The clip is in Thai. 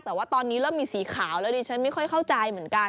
แต่ว่าตอนนี้เริ่มมีสีขาวแล้วดิฉันไม่ค่อยเข้าใจเหมือนกัน